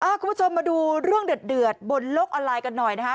คุณผู้ชมมาดูเรื่องเดือดบนโลกออนไลน์กันหน่อยนะคะ